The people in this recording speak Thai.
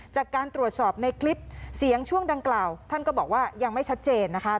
จากการตรวจสอบในคลิปเสียงช่วงดังกล่าวท่านก็บอกว่ายังไม่ชัดเจนนะคะ